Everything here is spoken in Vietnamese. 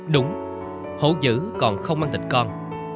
đúng hổ dữ còn không ăn thịt con